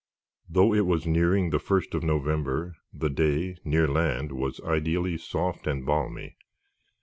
Though it was nearing the first of November, the day, near land, was ideally soft and balmy.